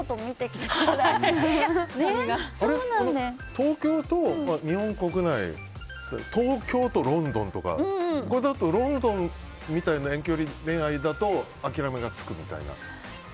東京と日本国内東京とロンドンとかだとそういう遠距離恋愛だと諦めがつくみたいな？